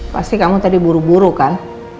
pasti kamu tadi buru buru kan